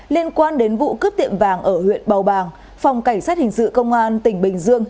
liên quan đến vụ cướp tiệm vàng ở huyện bào bàng phòng cảnh sát hình sự công an tỉnh bình dương